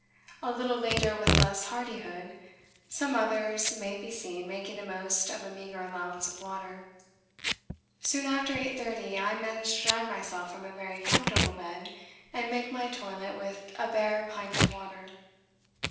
A little later with less hardihood some others may be seen making the most of a meagre allowance of water. Soon after 8.30 I manage to drag myself from a very comfortable bed and make my toilet with a bare pint of water.